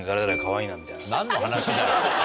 何の話だよ。